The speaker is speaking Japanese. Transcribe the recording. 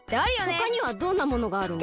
ほかにはどんなものがあるの？